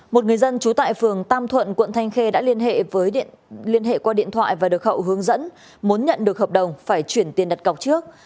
một người dân trú tại phường tam thuận quận thanh khê đã liên hệ liên hệ qua điện thoại và được hậu hướng dẫn muốn nhận được hợp đồng phải chuyển tiền đặt cọc trước